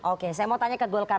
oke saya mau tanya ke golkar